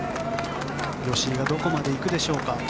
吉居がどこまで行くでしょうか。